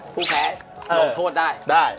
ผู้แพ้ลงโทษได้